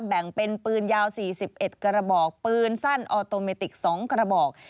แบ่งเป็นปืนยาว๔๑กระบอกปืนสั้นออโตเมติก๒กระบอก